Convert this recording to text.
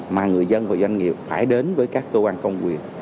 mà người dân và doanh nghiệp phải đến với các cơ quan công quyền